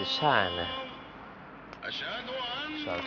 igali pain buatan buangin